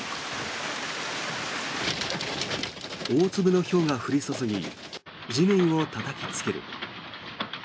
大粒のひょうが降り注ぎ地面をたたきつける。